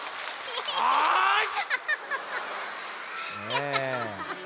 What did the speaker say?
アハハハ！